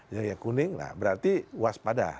jadi kuning berarti waspada